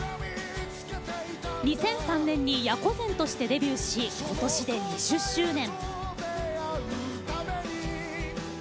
２００３年に野狐禅としてデビューし今年で２０周年。